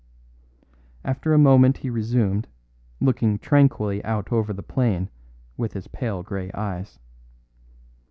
After a moment he resumed, looking tranquilly out over the plain with his pale grey eyes.